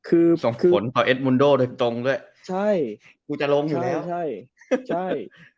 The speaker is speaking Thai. อืมคือส่งผลต่อเอสโรนโดลถูกตรงด้วยใช่กูจะลงอยู่แล้วใช่ใช่